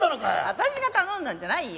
私が頼んだんじゃないよ。